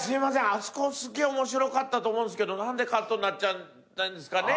あそこすげえ面白かったと思うんすけど何でカットになっちゃったんですかね？」